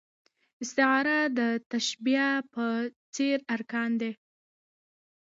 استعاره د تشبېه په څېر ارکان لري.